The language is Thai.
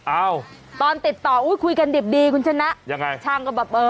อ้าวตอนติดต่ออุ้ยคุยกันดิบดีคุณชนะยังไงช่างก็แบบเออ